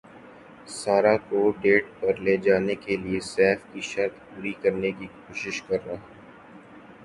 سارہ کو ڈیٹ پر لے جانے کیلئے سیف کی شرط پوری کرنے کی کوشش کررہا ہوں